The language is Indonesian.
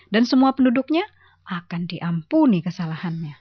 dan semua penduduknya akan diampuni kesalahannya